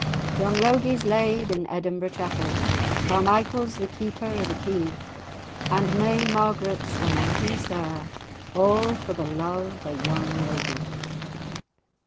Young Logie's laid in Edinburgh chapel, Carmichael's the keeper o' the key; And may Margaret's lamenting sair, A' for the love of young Logie.